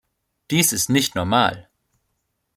Dies ist nicht normal.